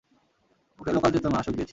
ওকে local চেতনানাশক দিয়েছি।